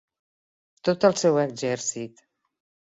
Tot el seu exèrcit!